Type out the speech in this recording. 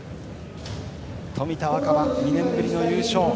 冨田若春、２年ぶりの優勝。